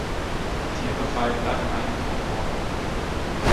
Die Tiere fallen dann in einen Torpor.